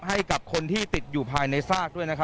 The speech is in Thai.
ให้กับคนที่ติดอยู่ภายในซากด้วย